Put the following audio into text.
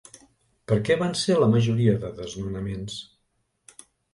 Per què van ser la majoria de desnonaments?